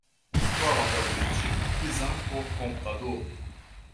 Provavelmente visão por computador